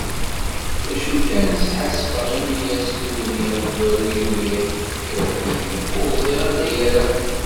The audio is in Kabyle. D acu kan, sḥassfeɣ imi asefru-nni amezwaru i uriɣ, iruḥ-iyi, ur ẓriɣ anda yerra.